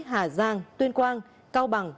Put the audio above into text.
hà giang tuyên quang cao bằng